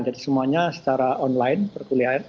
jadi semuanya secara online perkulian